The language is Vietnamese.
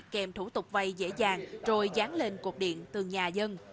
kèm thủ tục vai dễ dàng rồi dán lên cuộc điện từ nhà dân